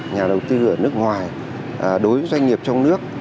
nhà đầu tư ở nước ngoài đối với doanh nghiệp trong nước